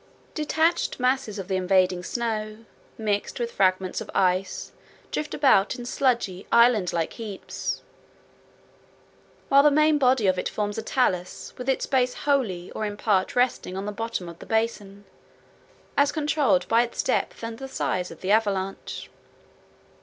Detached masses of the invading snow, mixed with fragments of ice, drift about in sludgy, island like heaps, while the main body of it forms a talus with its base wholly or in part resting on the bottom of the basin, as controlled by its depth and the size of the avalanche.